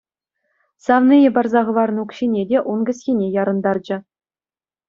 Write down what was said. Савнийӗ парса хӑварнӑ укҫине те ун кӗсйине ярӑнтарчӗ.